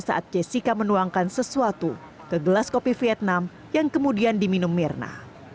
saat jessica menuangkan sesuatu ke gelas kopi vietnam yang kemudian diminum mirna